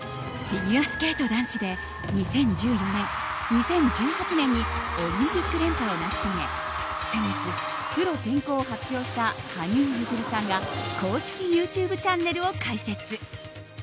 フィギュアスケート男子で２０１４年、２０１８年にオリンピック連覇を成し遂げ先月、プロ転向を発表した羽生結弦さんが公式ＹｏｕＴｕｂｅチャンネルを開設。